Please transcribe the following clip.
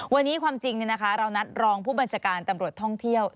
วันนี้ความจริงเรานัดรองผู้บัญชาการตำรวจท่องเที่ยว